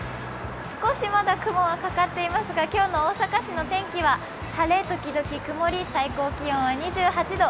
少しまだ雲はかかっていますが今日の大阪市の天気は晴れ時々曇り、最高気温は２８度。